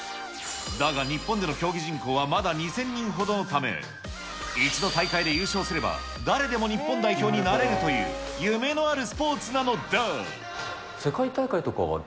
だが日本での競技人口は、まだ２０００人ほどのため、一度大会で優勝すれば、誰でも日本代表になれるという、夢のあるスポーツ世界大会とかは？